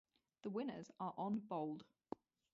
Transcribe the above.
The winners are on bold.